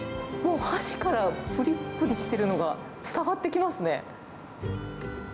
もう箸からぷりっぷりしてるのが伝わってきますね。